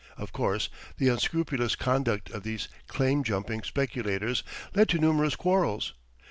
Of course the unscrupulous conduct of these "claim jumping" speculators led to numerous quarrels.